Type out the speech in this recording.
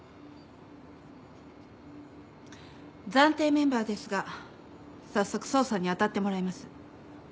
暫定メンバーですが早速捜査に当たってもらいます。